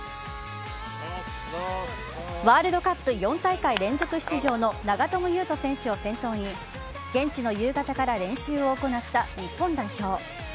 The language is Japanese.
ワールドカップ４大会連続出場の長友佑都選手を先頭に現地の夕方から練習を行った日本代表。